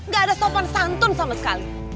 gak ada sopan santun sama sekali